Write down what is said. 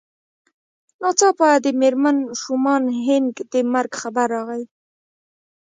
ناڅاپه د مېرمن شومان هينک د مرګ خبر راغی.